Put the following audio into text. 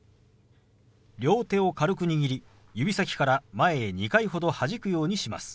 両手を軽く握り指先から前へ２回ほどはじくようにします。